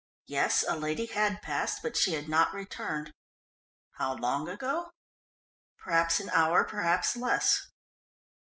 Yes, a lady had passed, but she had not returned. How long ago? Perhaps an hour; perhaps less.